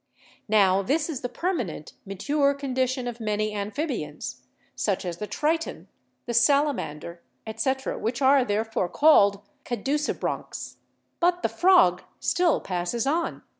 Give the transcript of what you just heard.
Now this is the permanent, ma ture condition of many amphibians, such as the triton, the salamander, etc., which are therefore called 'caducibranchs/ but the frog still passes on.